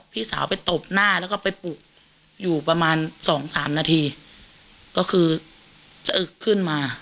พี่สาวไปตบหน้าแล้วก็ไปปลูกอยู่ประมาณ๒๓นาทีก็คือขึ้นมา